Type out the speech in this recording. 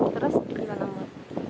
terus gimana mau